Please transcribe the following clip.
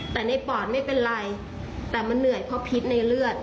แต่ในปอดไม่เป็นไรแต่มันเหนื่อยเพราะพิษในเลือด